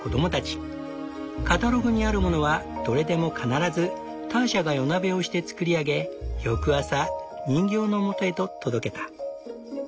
カタログにあるものはどれでも必ずターシャが夜なべをして作り上げ翌朝人形のもとへと届けた。